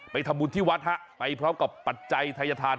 ทำบุญที่วัดฮะไปพร้อมกับปัจจัยทัยธาน